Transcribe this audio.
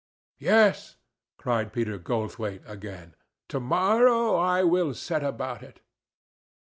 "Yes," cried Peter Goldthwaite, again; "to morrow I will set about it."